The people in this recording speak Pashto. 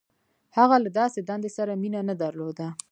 • هغه له داسې دندې سره مینه نهدرلوده.